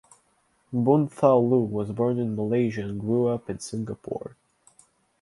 Boon Thau Loo was born in Malaysia and grew up in Singapore.